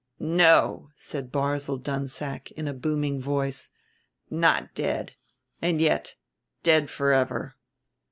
"No," said Barzil Dunsack, in a booming voice, "not dead, and yet dead forever.